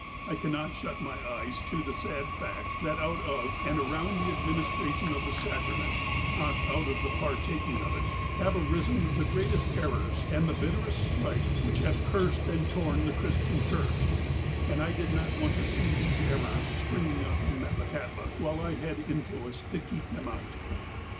I cannot shut my eyes to the sad fact that out of and around the administra tion of the sacrament (not out of the partaking of it) have arisen the greatest errors and the bitterest strife which have cursed and torn the Christian Church, and I did not want to see these errors spring up in Metlakahtla, while I had influence to keep them out.